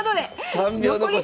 ３秒残し。